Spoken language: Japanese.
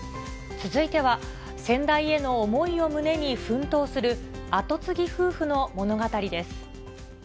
続いては、先代への思いを胸に奮闘する、後継ぎ夫婦の物語です。